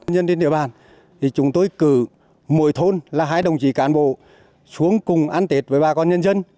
nhân trên địa bàn thì chúng tôi cử mỗi thôn là hai đồng chí cán bộ xuống cùng ăn tết với bà con nhân dân